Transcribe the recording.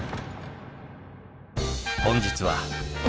本日は。